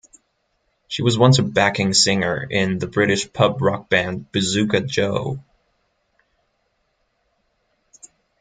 She was once a backing singer in the British pub rock band Bazooka Joe.